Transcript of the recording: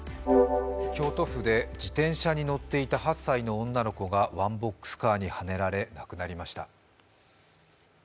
京都府で自転車に乗っていた８歳の女の子がワンボックスカーにはねられ亡くなりました。